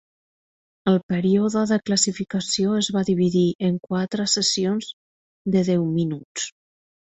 El període de classificació es va dividir en quatre sessions de deu minuts.